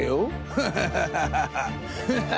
フハハハハハ！